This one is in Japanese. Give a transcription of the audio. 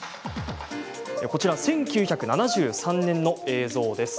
こちら、１９７３年の映像です。